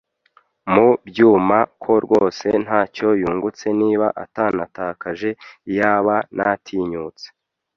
mu byuma, ko rwose ntacyo yungutse, niba atanatakaje. Iyaba natinyutse